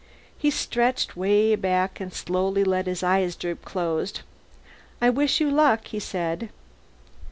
_ He stretched way back and slowly let his eyes droop closed. "I wish you luck," he said.